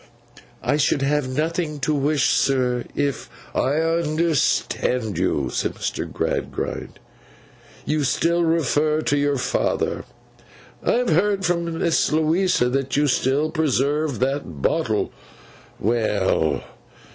'I should have nothing to wish, sir, if—' 'I understand you,' said Mr. Gradgrind; 'you still refer to your father. I have heard from Miss Louisa that you still preserve that bottle. Well!